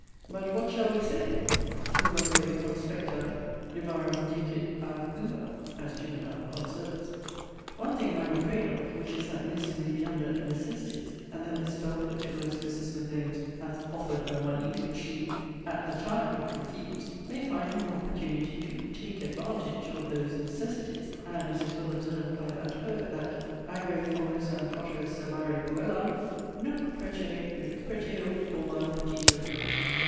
But, what shall we say? 'Uvaque conspectâ livorem ducit ab uvâ,' as Juvenal observeth. One thing I am afraid of; which is, that Miss may be under 'necessities'; and that this Belford (who, as Mrs. Smith owns, hath 'offered her money,' which she, 'at the time,' refused) may find an opportunity to 'take advantage' of those 'necessities': and it is well observed by that poet, that 'Ægrè formosam poteris servare puellam: Nunc prece, nunc pretio, forma petita ruit.'